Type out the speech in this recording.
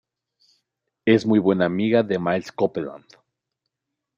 Es muy buena amiga de Miles Copeland.